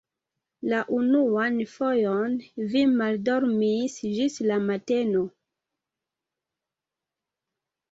La unuan fojon vi maldormis ĝis la mateno.